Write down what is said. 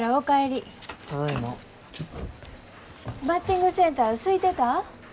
バッティングセンターすいてた？